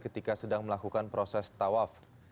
ketika sedang melakukan proses tawaf